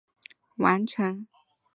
一切安顿完成